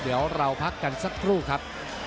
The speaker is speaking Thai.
เดี๋ยวเราพักกันสักครู่ครับ